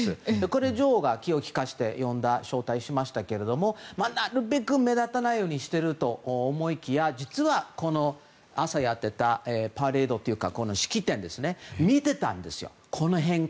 これ女王が気をきかせて招待したんですがなるべく目立たないようにしてると思いきや実は朝やってたパレードというかこの式典を見てたんです。